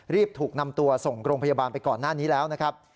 ถูกนำตัวส่งโรงพยาบาลไปก่อนหน้านี้แล้วนะครับ